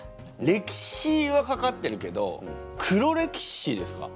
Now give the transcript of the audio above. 歴史はかかってるけど黒歴史ですか？